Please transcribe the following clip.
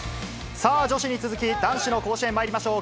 さあ、女子に続き、男子の甲子園まいりましょう。